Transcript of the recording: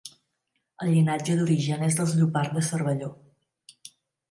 El llinatge d'origen és dels Llopart de Cervelló.